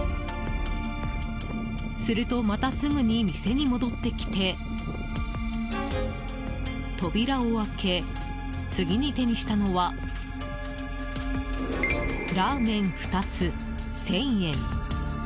すると、またすぐに戻ってきて扉を開け次に手にしたのはラーメン２つ、１０００円。